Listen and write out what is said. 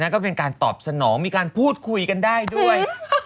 ก็เป็นการตอบสนองมีการพูดคุยกันได้ด้วย